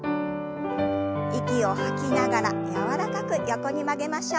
息を吐きながら柔らかく横に曲げましょう。